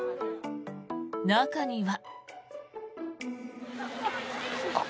中には。